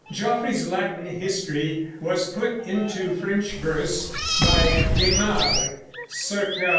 Geoffrey's Latin history was put into French verse by Gaimar (c.